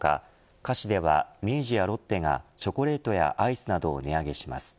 菓子では明治やロッテがチョコレートやアイスなどを値上げします。